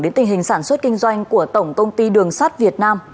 đến tình hình sản xuất kinh doanh của tổng công ty đường sắt việt nam